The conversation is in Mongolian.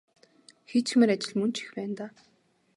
Хийчихмээр ажил мөн ч их байна даа.